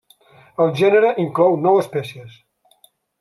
El gènere inclou nou espècies.